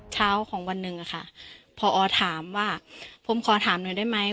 เช้าของวันหนึ่งอะค่ะพอถามว่าผมขอถามหน่อยได้ไหม